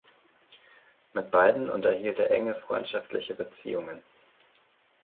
Mit beiden unterhielt er enge freundschaftliche Beziehungen.